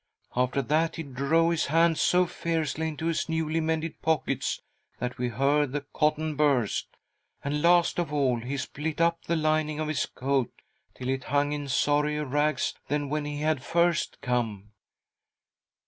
After that he drove his hands so fiercely into his newly mended pockets that we heard the cotton burst ; and, last of all, he split up the fining of his coat till it hung in sorrier rags than when he had first come.